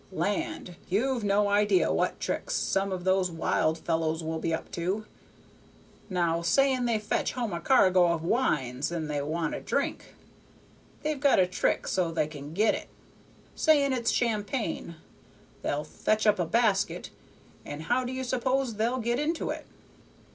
Land! you've no idea what tricks some of those wild fellows will be up to. Now, saying they fetch home a cargo of wines and they want a drink; they've got a trick so they can get it. Saying it's champagne, they'll fetch up a basket, and how do you suppose they'll get into it?"